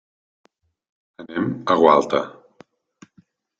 Anem a Gualta.